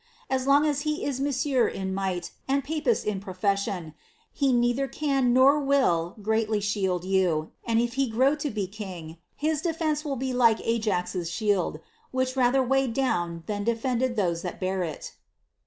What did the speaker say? As long as he is monsieur in might, and a papist in profession, he neither can nor will greatly shield you; and if he grow to be king, his defence will be like Ajax* shield, which rather weighed down than defended those that bare it."